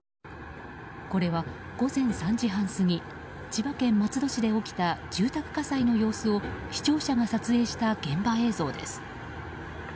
これは、午前３時半過ぎ千葉県松戸市で起きた住宅火災の様子を視聴者が撮影した現場映像です。